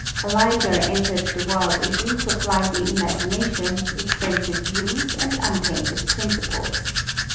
Aliger entered the world a youth of lively imagination, extensive views, and untainted principles.